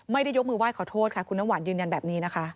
ไม่ได้ยกมือไห้ขอโทษค่ะคุณน้ำหวานยืนยันแบบนี้นะคะ